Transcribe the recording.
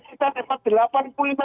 kita dapat rp delapan juta